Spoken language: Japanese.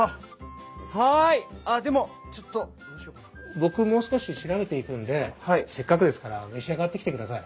僕もう少し調べていくんでせっかくですから召し上がってきてください。